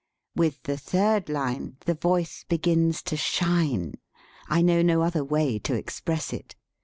With the third line the voice be gins to shine. I know no other way to express it.